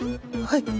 はい。